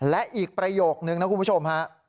และอีกประโยคนึงครับคุณผู้ชม